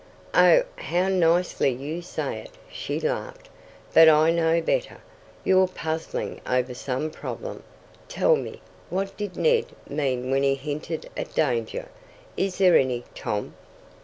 "Oh, how nicely you say it!" she laughed. "But I know better! You're puzzling over some problem. Tell me, what did Ned mean when he hinted at danger? Is there any, Tom?"